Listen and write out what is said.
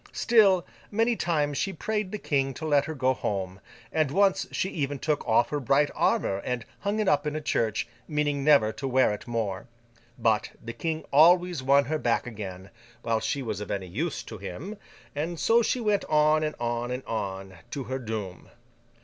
Still, many times she prayed the King to let her go home; and once she even took off her bright armour and hung it up in a church, meaning never to wear it more. But, the King always won her back again—while she was of any use to him—and so she went on and on and on, to her doom.